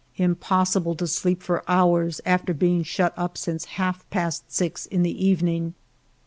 Impossible to sleep for hours, after being shut up since half past six in the evening.